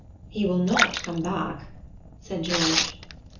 "He will not come back," said George.